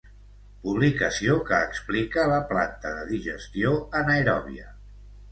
Publicació que explica la planta de digestió anaeròbia.